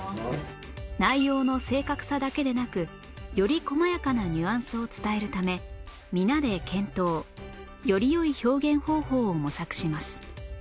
内容の正確さだけでなくより細やかなニュアンスを伝えるため皆で検討より良い表現方法を模索します